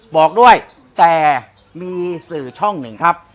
บอกด้วยแต่มีสื่อช่องหนึ่งครับ